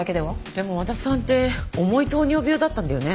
でも和田さんって重い糖尿病だったんだよね？